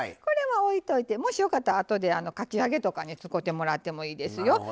これはおいといてもしよかったら後でかき揚げとかに使てもらってもいいですよ。